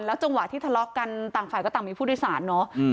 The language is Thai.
จังหวะที่ทะเลาะกันต่างฝ่ายก็ต่างมีผู้โดยสารเนอะ